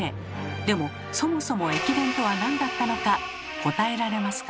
でもそもそも駅伝とはなんだったのか答えられますか？